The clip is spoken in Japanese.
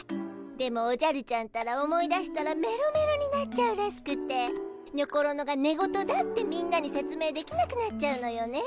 でもおじゃるちゃんったら思い出したらメロメロになっちゃうらしくてにょころのが寝言だってみんなに説明できなくなっちゃうのよね。